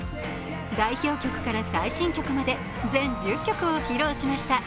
代表曲から最新曲まで全１０曲を披露しました。